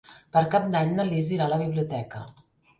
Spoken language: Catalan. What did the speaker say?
Per Cap d'Any na Lis irà a la biblioteca.